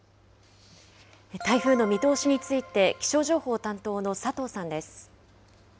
台風の見通しについて、気象情報担当の佐藤さんです。